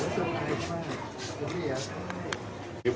สวัสดีครับ